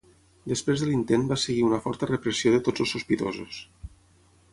Després de l'intent va seguir una forta repressió de tots els sospitosos.